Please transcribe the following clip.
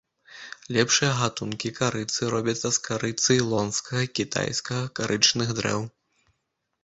Лепшыя гатункі карыцы робяцца з кары цэйлонскага і кітайскага карычных дрэў.